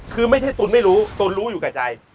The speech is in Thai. คือไม่ใช่ตุลไม่รู้ตุลรู้อยู่กับใจ